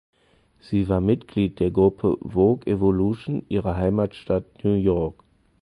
Sie war Mitglied der Gruppe "Vogue Evolution" ihrer Heimatstadt New York.